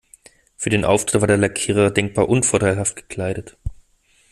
Für den Auftritt war der Lackierer denkbar unvorteilhaft gekleidet.